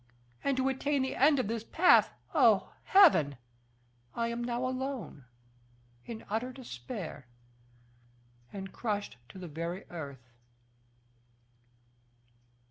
And to attain the end of this path, oh, Heaven! I am now alone, in utter despair, and crushed to the very earth."